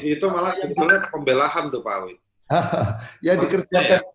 itu malah jadinya pembelahan tuh pak w